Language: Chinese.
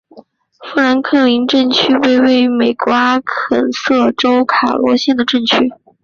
富兰克林镇区为位在美国阿肯色州卡洛尔县的镇区。